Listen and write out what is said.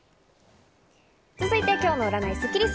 続いては今日の占いスッキりす。